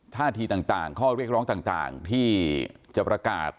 ท่าทีต่างข้อเรียกร้องต่างที่จะประกาศ